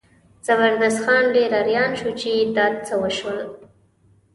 زبردست خان ډېر اریان شو چې دا څه وشول.